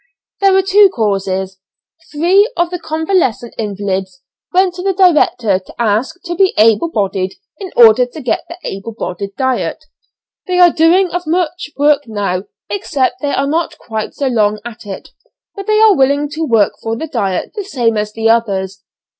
"There were two causes three of the convalescent invalids went to the director to ask to be able bodied in order to get the able bodied diet. They are doing as much work now, except that they are not quite so long at it, but they are willing to work for the diet the same as the others.